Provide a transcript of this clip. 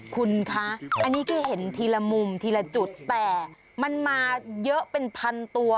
คุณคะอันนี้แค่เห็นทีละมุมทีละจุดแต่มันมาเยอะเป็นพันตัว